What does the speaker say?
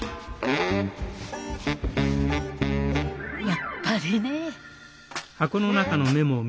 やっぱりねえ。